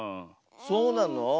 そうなの？